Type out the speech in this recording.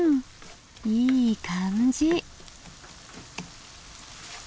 いい感じ。